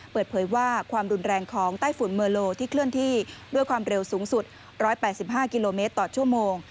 เปิดเผยว่าความรุนแรงของใต้ฝุ่นเมอโลที่เคลื่อนที่ด้วยความเร็วสูงสุด๑๘๕กิโลเมตรต่อชั่วโมง